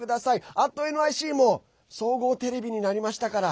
「＠ｎｙｃ」も総合テレビになりましたから。